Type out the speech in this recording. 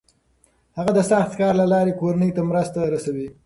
هغه د سخت کار له لارې کورنۍ ته مرسته رسوي.